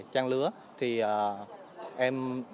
trang lứa thì em